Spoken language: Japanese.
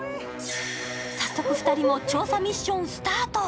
早速、２人も調査ミッションスタート。